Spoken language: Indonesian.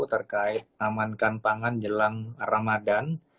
terkait amankan pangan jelang ramadan